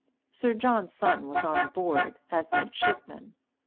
Sir John's son was on board, as midshipman.